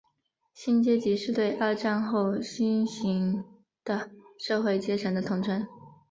新阶级是对二战后新兴的社会阶层的统称。